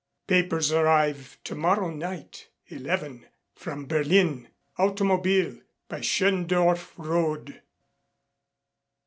Papers arrive tomorrow night, eleven from Berlin automobile by Schöndorf road.